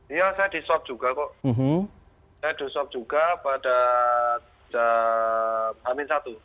iya saya diswab juga kok saya diswab juga pada hamin satu